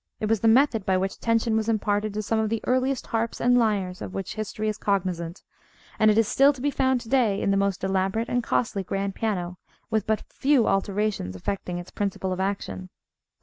It was the method by which tension was imparted to some of the earliest harps and lyres of which history is cognisant; and it is still to be found to day in the most elaborate and costly grand piano, with but few alterations affecting its principle of action.